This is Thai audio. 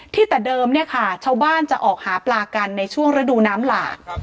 ที่แต่เดิมชาวบ้านจะออกหาปลากันในช่วงฤดูน้ำหล่า